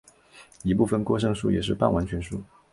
一部分过剩数也是半完全数。